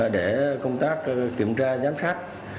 để công tác kiểm tra giám sát